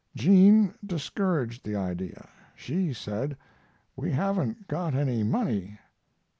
Jean discouraged the idea. She said, "We haven't got any money.